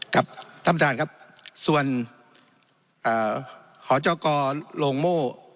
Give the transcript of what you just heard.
ครับท่านประธานครับส่วนหจกโรงโม่